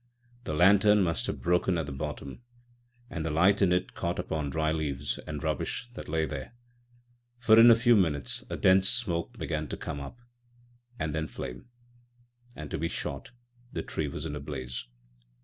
The lantern must have broken at the bottom, and the light in it caught on dry leaves and rubbish that lay there, for in a few minutes a dense smoke began to come up, and then flame; and, to be short, the tree was in a blaze.